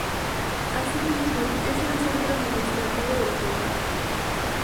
Asimismo, es el centro administrativo del condado.